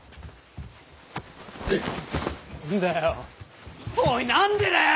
何だよおい何でだよ！